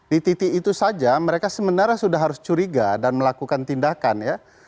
di titik itu saja mereka sebenarnya sudah harus curiga dan melakukan tindakan ya